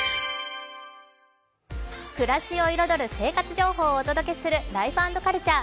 暮らしを彩る生活情報をお届けする「ライフ＆カルチャー」